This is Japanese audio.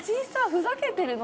ふざけてるの？